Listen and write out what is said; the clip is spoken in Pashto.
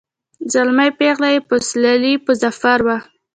زلمی پېغله یې پسوللي په ظفر وه